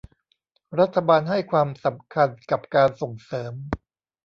รัฐบาลให้ความสำคัญกับการส่งเสริม